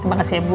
terima kasih ibu